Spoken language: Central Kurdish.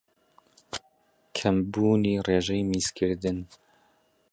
کەمبوونی رێژەی میزکردن